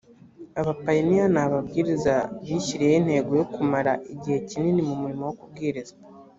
abapayiniya ni ababwiriza bishyiriyeho intego yo kumara igihe kinini mu murimo wo kubwiriza